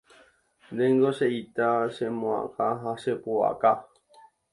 ndéngo che ita, che mo'ãha ha che pu'aka